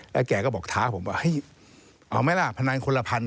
แล้วแกก็บอกท้าผมว่าเฮ้ยเอาไหมล่ะพนันคนละพัน